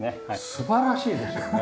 素晴らしいですよね！